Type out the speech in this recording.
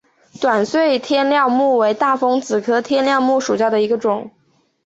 短穗天料木为大风子科天料木属下的一个种。